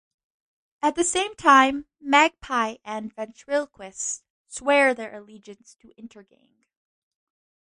At the same time, Magpie and Ventriloquist swear their allegiance to Intergang.